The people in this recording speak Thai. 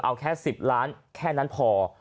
เอาแค่๑๐ล้านแค่นั้นพอ